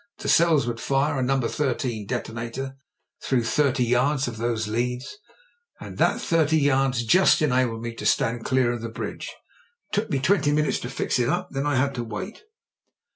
The cells would fire a No. 13 Detonator through thirty yards of those leads — ^and that thirty yards just enabled me to stand clear of the bridge. It took me twenty minutes to fix it up, and then I had to wait.